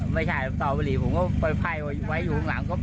ไม่ใช่ต่อบุหรี่ผมก็ไฟล์ไฟล์ไว้อยู่ข้างหลัง